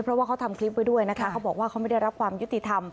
เพราะว่าเขาทำคลิปไว้ด้วยนะคะเขาบอกว่าเขาไม่ได้รับความยุติธรรม